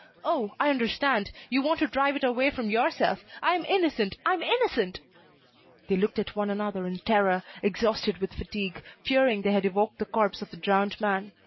Oh! I understand, you want to drive it away from yourself. I am innocent, I am innocent!" They looked at one another in terror, exhausted with fatigue, fearing they had evoked the corpse of the drowned man.